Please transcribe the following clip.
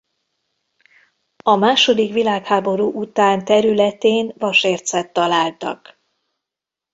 A második világháború után területén vasércet találtak.